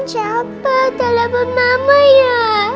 siapa telepon mama ya